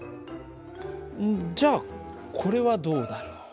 じゃあこれはどうだろう？